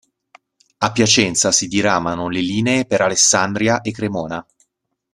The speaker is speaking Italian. A Piacenza si diramano le linee per Alessandria e Cremona.